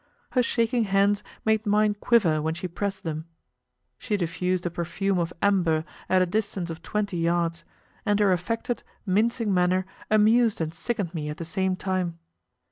Her shaking hands made mine quiver when she pressed them. She diffused a perfume of amber at a distance of twenty yards, and her affected, mincing manner amused and sickened me at the same time.